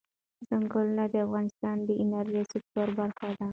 ځنګلونه د افغانستان د انرژۍ سکتور برخه ده.